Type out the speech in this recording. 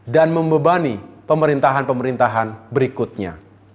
dan membebani pemerintahan pemerintahan berikutnya